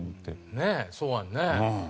ねえそうやんね。